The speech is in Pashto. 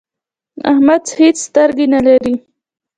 احمد هيڅ سترګې نه لري.